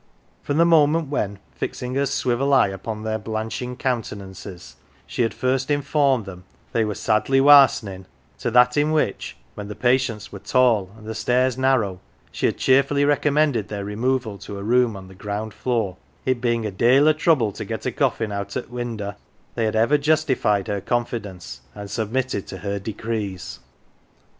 From 136 "THE GILLY F'ERS" the moment when, fixing her swivel eye upon their blanching countenances, she had first informed them they were " sadly warsening " to that in which when the patients were tall and the stairs narrow she had cheerfully recommended their removal to a room on the ground floor, it being " a dale o' trouble to get a coffin out o" winder,"" they had ever justified her confidence and submitted to her decrees.